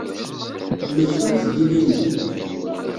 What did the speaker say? Mmektimt-d ilindi.